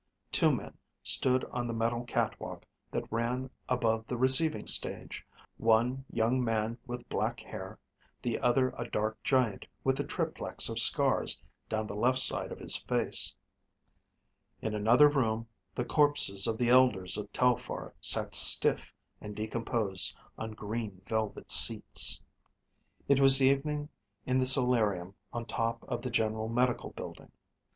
Two men stood on the metal catwalk that ran above the receiving stage, one young man with black hair, the other a dark giant with a triplex of scars down the left side of his face. In another room, the corpses of the elders of Telphar sat stiff and decomposed on green velvet seats. It was evening in the solarium on top of the General Medical building.